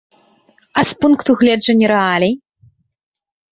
А з пункту гледжання рэалій?